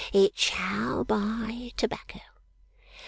It shall buy tobacco.